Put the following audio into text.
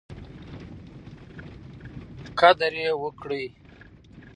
قدر یې وکړئ.